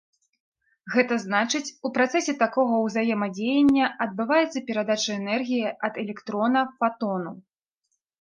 Гэта значыць, у працэсе такога ўзаемадзеяння адбываецца перадача энергіі ад электрона фатону.